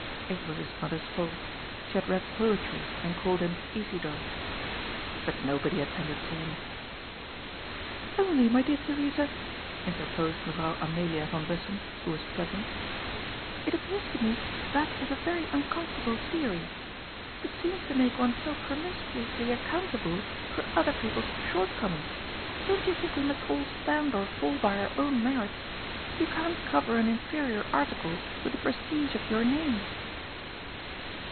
It was his mother's fault She had read poetry and called him Isidor. But nobody attended to him. " Only, my dear Theresa," interposed Mevrouw Amelia yan Bussen, who was present, " it appears to me that is a very uncomfortable theory. It seems to make one so promiscuously accountable for other people's shortcomings. Don't you think we must all stand or fall by our own merits ? You can't coyer an inferior article with the prestige of your name